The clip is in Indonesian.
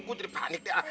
kuteri panik ya